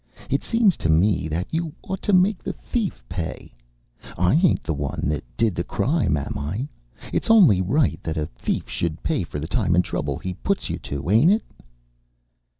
It seems to me, that you ought to make the thief pay. I ain't the one that did the crime, am I? It's only right that a thief should pay for the time and trouble he puts you to, ain't it?"